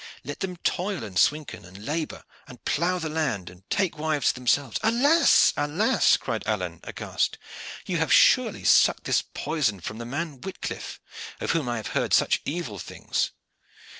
Let them toil and swinken, and labor, and plough the land, and take wives to themselves " "Alas! alas!" cried Alleyne aghast, "you have surely sucked this poison from the man Wicliffe, of whom I have heard such evil things."